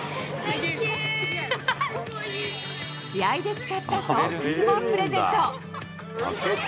試合で使ったソックスもプレゼント。